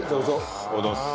ありがとうございます。